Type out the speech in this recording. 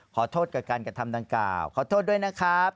ขอโทษกับการกระทำดังกล่าวขอโทษด้วยนะครับ